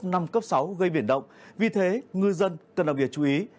gió tây nam cấp sáu gây biển động vì thế ngư dân cần đồng nghiệp chú ý